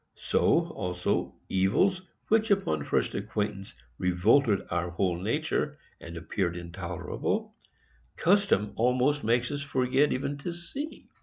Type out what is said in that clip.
So, also, evils which, upon first acquaintance, revolted our whole nature, and appeared intolerable, custom almost makes us forget even to see.